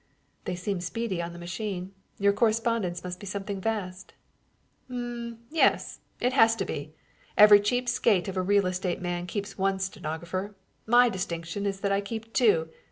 "They seem speedy on the machine. Your correspondence must be something vast!" "Um, yes. It has to be. Every cheap skate of a real estate man keeps one stenographer. My distinction is that I keep two.